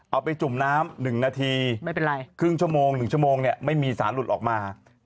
เอาไปจุ่มน้ำ๑นาทีครึ่งชั่วโมง๑ชั่วโมงเนี่ยไม่มีสารหลุดออกมาไม่เป็นไร